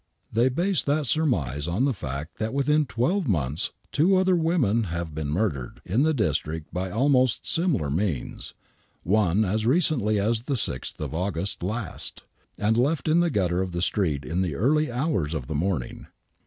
They base that surmise on the fact that within twelve months two other women have been murdered in the district by almost similar means — one as recently as the 6th of August last — and left in the gutter of the street in the early ho?irs of the morning.